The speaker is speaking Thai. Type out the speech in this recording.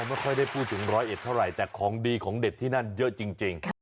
ไม่ค่อยได้พูดถึงร้อยเอ็ดเท่าไหร่แต่ของดีของเด็ดที่นั่นเยอะจริง